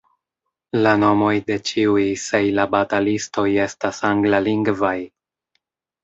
La nomoj de ĉiuj Sejla-batalistoj estas angla-lingvaj.